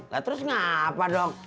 lah terus ngapa dong